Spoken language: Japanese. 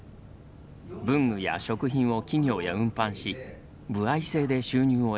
文具や食品を企業へ運搬し歩合制で収入を得ています。